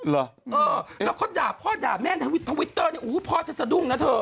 แล้วก็พ่อด่าแม่นทวิตเตอร์พ่อจะสดุ้งนะเธอ